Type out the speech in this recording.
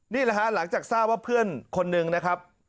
นี่แหละฮะหลังจากทราบว่าเพื่อนคนหนึ่งนะครับ